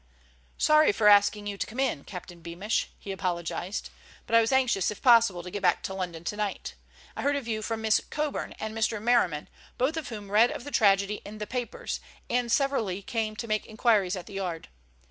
"Sorry for asking you to come in, Captain Beamish," he apologized, "but I was anxious if possible to get back to London tonight. I heard of you from Miss Coburn and Mr. Merriman, both of whom read of the tragedy in the papers, and severally came to make inquiries at the Yard.